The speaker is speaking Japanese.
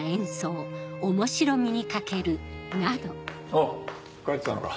おぉ帰ってたのか。